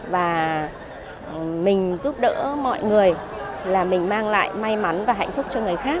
và mình giúp đỡ mọi người là mình mang lại may mắn và hạnh phúc cho người khác